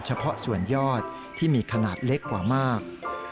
เฉพาะส่วนยอดที่มีขนาดเล็กกว่ามาก